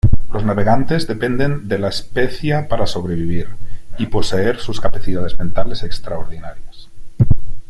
Los navegantes dependen de la especia para sobrevivir y poseer sus capacidades mentales extraordinarias.